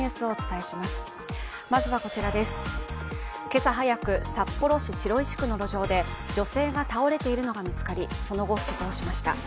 今朝早く、札幌市白石区の路上で女性が倒れているのが見つかりその後、死亡しました。